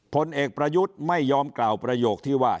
ผลเอกประยุทธ์ไม่ยอมกล่าวประโยคที่ว่า